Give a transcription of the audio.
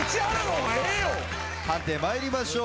判定参りましょう。